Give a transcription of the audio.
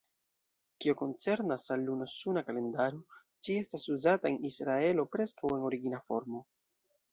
Kio koncernas al luno-suna kalendaro, ĝi estas uzata en Israelo preskaŭ en origina formo.